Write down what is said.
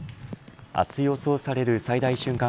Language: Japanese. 明日予想される最大瞬間